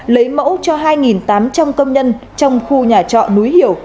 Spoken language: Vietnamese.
lấy mẫu cho hai tám trăm linh công nhân trong khu nhà trọ núi hiểu